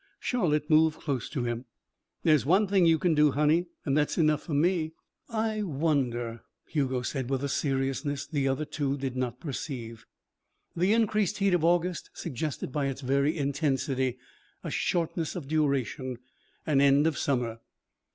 Charlotte moved close to him. "There's one thing you can do, honey, and that's enough for me." "I wonder," Hugo said with a seriousness the other two did not perceive. The increased heat of August suggested by its very intensity a shortness of duration, an end of summer.